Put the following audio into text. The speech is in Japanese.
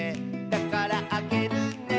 「だからあげるね」